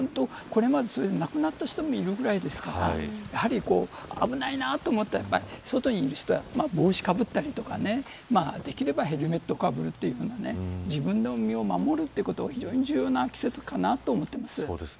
これまで、それで亡くなった人もいるくらいですからやはり危ないなと思ったら外にいる人は帽子をかぶったりできればヘルメットをかぶるような自分の身を守ることが非常に重要な季節かなと思っています。